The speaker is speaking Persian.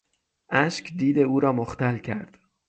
اشک دید او را مختل کرد.